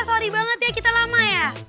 sorry banget ya kita lama ya